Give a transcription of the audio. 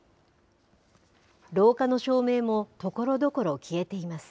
廊下の照明もところどころ消えています。